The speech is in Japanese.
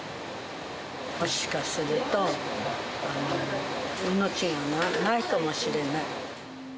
もしかすると、命がないかもしれない。